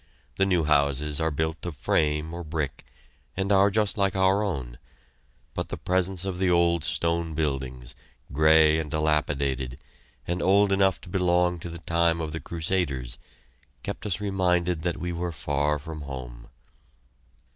The new houses are built of frame or brick, and are just like our own, but the presence of the old stone buildings, gray and dilapidated, and old enough to belong to the time of the Crusaders, kept us reminded that we were far from home.